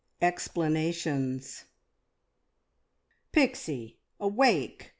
EXPLANATIONS. "Pixie, awake!